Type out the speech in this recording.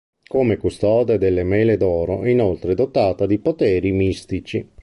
Come custode delle mele d'oro è inoltre dotata di poteri mistici.